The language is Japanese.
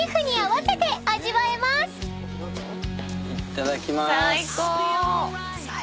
いただきます。